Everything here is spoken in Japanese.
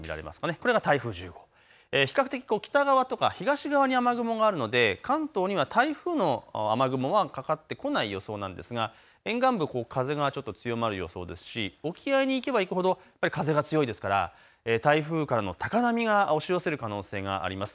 これが台風１０号、比較的北側とか東側に雨雲があるので関東には台風の雨雲はかかってこない予想なんですが、沿岸部、風がちょっと強まる予想ですし沖合に行けば行くほど風が強いですから、台風からの高波が押し寄せる可能性があります。